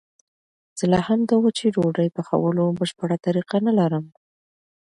زه لا هم د وچې ډوډۍ پخولو بشپړه طریقه نه لرم.